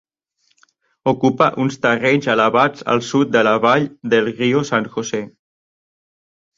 Ocupa uns terrenys elevats al sud de la vall del Rio San Jose.